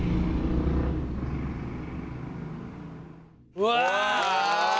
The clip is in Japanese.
うわ！